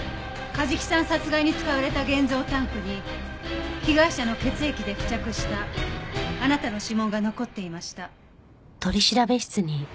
梶木さん殺害に使われた現像タンクに被害者の血液で付着したあなたの指紋が残っていました。